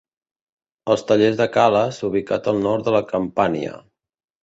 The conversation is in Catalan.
El taller de Cales, ubicat al nord de la Campània.